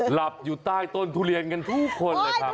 หลับอยู่ใต้ต้นทุเรียนกันทุกคนเลยครับ